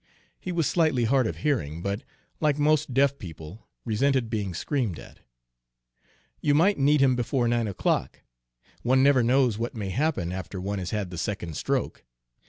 He was slightly hard of hearing, but, like most deaf people, resented being screamed at. "You might need him before nine o'clock. One never knows what may happen after one has had the second stroke.